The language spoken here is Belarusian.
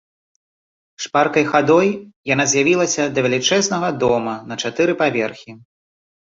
Шпаркай хадой яна з'явілася да велічэзнага дома на чатыры паверхі.